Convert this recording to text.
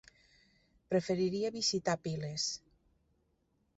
Preferiria visitar Piles.